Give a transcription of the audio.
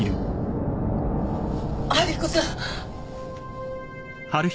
春彦さん！